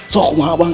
sok mahak banget